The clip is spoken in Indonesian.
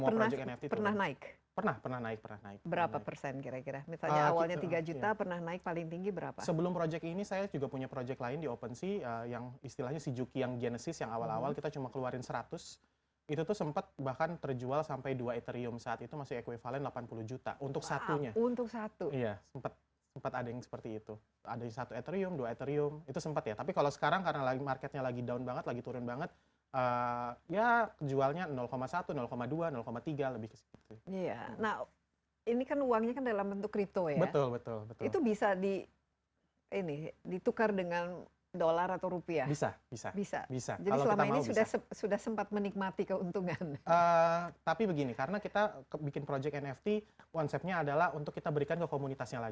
pernah pernah pernah pernah pernah pernah pernah pernah pernah pernah pernah pernah pernah pernah pernah pernah pernah pernah pernah berapa persen kira kira misalnya awalnya tiga juta pernah naik paling tinggi berapa sebelum proyek ini saya juga punya proyek lain di open sih yang istilahnya si juki yang genesis yang awal awal kita cuma keluarin seratus itu tuh sempet bahkan terjual sampai dua etherium saat itu masih equivalent delapan puluh juta untuk satunya untuk satu iya sempet ada yang seperti itu ada satu etherium dua etherium itu sempet ya tapi kalau sekarang karena lagi marketnya lagi down banget lagi turun banget ya jualnya satu dua tiga empat lima lima lima enam tujuh delapan delapan delapan delapan delapan sembilan delapan sembilan sembilan sembilan sembilan sembilan sembilan sembilan sembilan sembilan